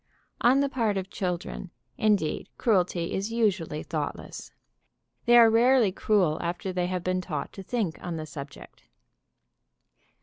On the part of children, indeed, cruelty is usually thoughtless. They are rarely cruel after they have been taught to think on the subject.